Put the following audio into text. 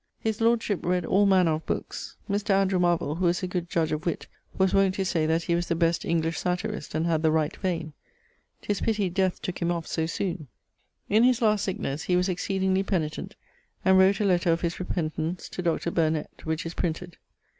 His lordship read all manner of bookes. Mr. Andrew Marvell, who was a good judge of witt, was wont to say that he was the best English satyrist and had the right veine. 'Twas pitty death tooke him off so soon. In his last sicknesse he was exceedingly paenitent and wrote a lettre of his repentance to Dr. Burnet, which is printed.